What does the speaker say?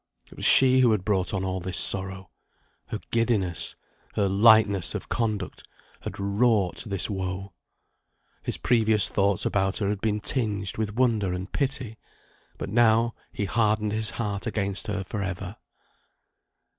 It was she who had brought on all this sorrow. Her giddiness, her lightness of conduct, had wrought this woe. His previous thoughts about her had been tinged with wonder and pity, but now he hardened his heart against her for ever.